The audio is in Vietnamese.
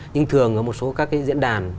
nhưng thường ở một số các cái diễn đàn